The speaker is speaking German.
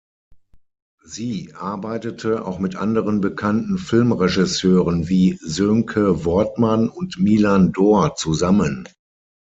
Sie arbeitete auch mit anderen bekannten Filmregisseuren wie Sönke Wortmann und Milan Dor zusammen.